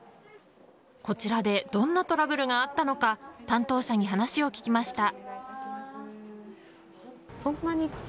こちらでどんなトラブルがあったのか担当者に話を聞きました。